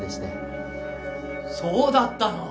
・そうだったの？